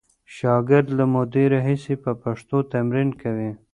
شاګرد له مودې راهیسې په پښتو تمرین کوي.